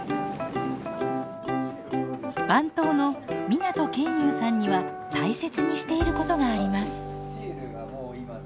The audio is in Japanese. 番頭の湊研雄さんには大切にしていることがあります。